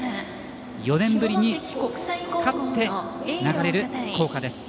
４年ぶりに勝って流れる校歌です。